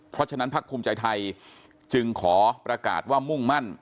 เพราะฉะนั้นพักภูมิใจไทยจึงขอประกาศว่ามุ่งมั่น